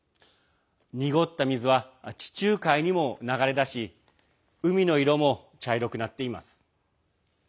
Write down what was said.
濁った水は地中海にも流れ出し海の色も茶色くなっています。